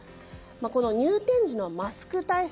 この入店時のマスク対策